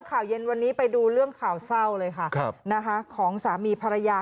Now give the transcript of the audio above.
ข่าวเย็นวันนี้ไปดูเรื่องข่าวเศร้าเลยค่ะครับนะคะของสามีภรรยา